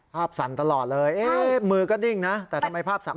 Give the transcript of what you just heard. สั่นตลอดเลยเอ๊ะมือก็ดิ้งนะแต่ทำไมภาพสั่น